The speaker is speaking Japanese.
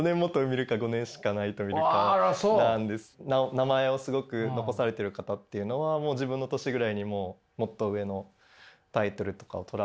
名前をすごく残されてる方っていうのはもう自分の年ぐらいにもうもっと上のタイトルとかを取られてたりとか。